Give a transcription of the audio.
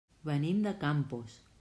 Venim de Campos.